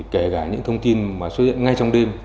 kể cả những thông tin mà xuất hiện ngay trong đêm